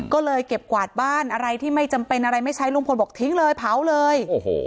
ก็เลยเก็บกวาดบ้านอะไรที่ไม่จำเป็นอะไรไม่ใช้ลุงพลบอกทิ้งเลยเผาเลยโอ้โห